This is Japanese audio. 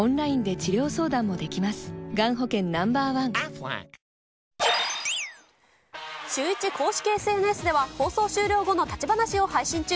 その過去最高のツアー、シューイチ公式ＳＮＳでは、放送終了後の立ち話を配信中。